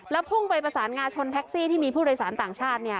แล้วพุ่งไปประสานงาชนแท็กซี่ที่มีผู้โดยสารต่างชาติ